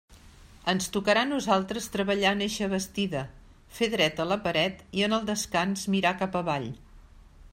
Ens tocarà a nosaltres treballar en eixa bastida, fer dreta la paret i en el descans mirar cap avall.